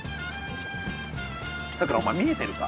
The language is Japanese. さくらお前見えてるか？